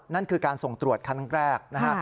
นั่นคือการส่งตรวจครั้งแรกนะฮะ